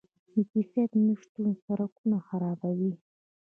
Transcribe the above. د کیفیت نشتون سرکونه خرابوي.